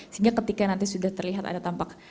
sehingga ketika nanti sudah terlihat ada tampak